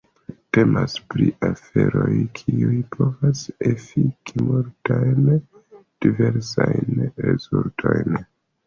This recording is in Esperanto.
Temas pri aferoj, kiuj povas efiki multajn diversajn rezultojn.